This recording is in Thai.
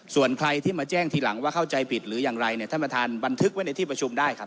ส่วนใครที่มาแจ้งทีหลังว่าเข้าใจผิดหรืออย่างไรเนี่ยท่านประธานบันทึกไว้ในที่ประชุมได้ครับ